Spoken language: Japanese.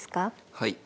はい。